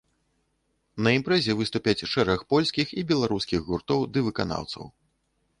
На імпрэзе выступяць шэраг польскіх і беларускіх гуртоў ды выканаўцаў.